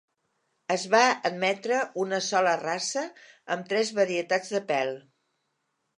Es va admetre una sola raça, amb tres varietats de pèl.